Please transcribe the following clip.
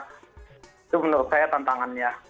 itu menurut saya tantangannya